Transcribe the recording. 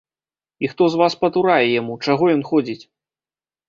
І хто з вас патурае яму, чаго ён ходзіць?